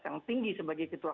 bagaimana membutuhkan integritas